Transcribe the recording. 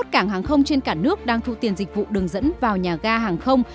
cảng hàng không trên cả nước đang thu tiền dịch vụ đường dẫn vào nhà ga hàng không